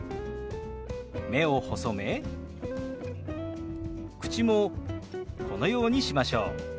目を細め口もこのようにしましょう。